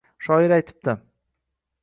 Shoir aytibdi: